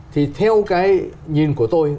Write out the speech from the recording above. thì theo cái nhìn của tôi